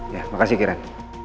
ya makasih kiren